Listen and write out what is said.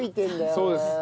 そうです。